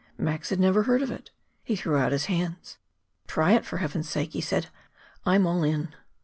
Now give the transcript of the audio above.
Max had never heard of it. He threw out his hands. "Try it, for Heaven's sake," he said. "I'm all in."